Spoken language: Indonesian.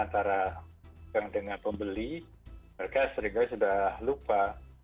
berdagang dengan pemberi mereka seringkali sudah lupa